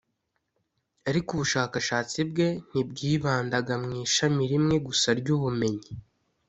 ariko ubushakashatsi bwe ntibwibandaga mu ishami rimwe gusa ry’ubumenyi.